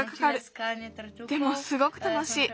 でもすごくたのしい。